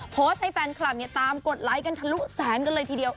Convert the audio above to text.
โพสต์ให้แฟนคลับตามกดไลค์กันทะลุแสนกันเลยทีเดียว